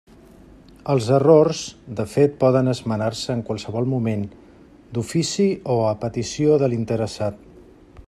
Els errors de fet poden esmenar-se en qualsevol moment, d'ofici o a petició de l'interessat.